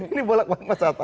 ini bolak balik pak satwa